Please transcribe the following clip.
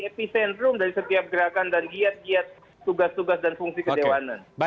epicentrum dari setiap gerakan dan giat giat tugas tugas dan fungsi kedewanan